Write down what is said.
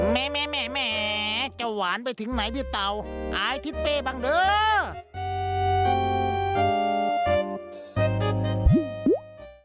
แม่แม่เจ้าหวานไปถึงไหนพี่เต่าอายทิศเบ้บังเหลือ